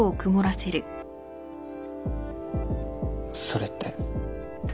それって。